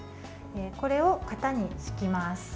これを型に敷きます。